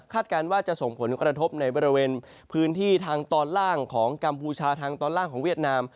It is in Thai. คาดการณ์ว่าจะส่งผลกระทบในบริเวณพื้นที่ทางตอนล่างของกัมพูชา